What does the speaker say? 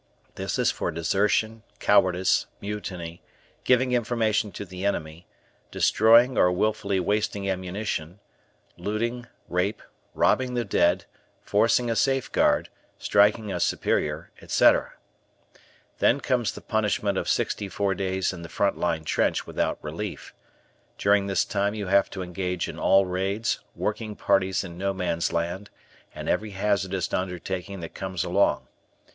This is for desertion, cowardice, mutiny, giving information to the enemy, destroying or willfully wasting ammunition, looting, rape, robbing the dead, forcing a safeguard, striking a superior, etc. Then comes the punishment of sixty four days in the front line trench without relief. During this time you have to engage in all raids, working parties in No Man's Land, and every hazardous undertaking that comes along.